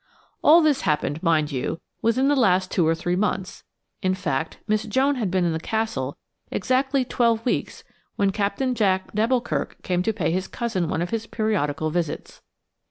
All this happened, mind you, within the last two or three months; in fact, Miss Joan had been in the Castle exactly twelve weeks when Captain Jack d'Alboukirk came to pay his cousin one of his periodical visits.